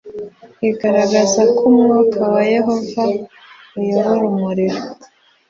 igaragaza ko umwuka wa Yehova uyobora umurimo